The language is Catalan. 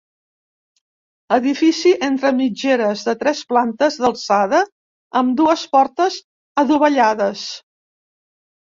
Edifici entre mitgeres de tres plantes d'alçada amb dues portes adovellades.